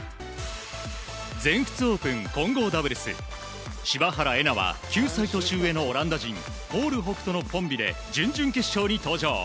全仏オープン混合ダブルス柴原瑛菜選手は９歳年上のオランダ人コールホフとのコンビで準々決勝に登場。